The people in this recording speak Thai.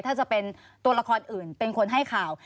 ถ้าจะเป็นตัวละครอื่นเป็นคนให้ข่าว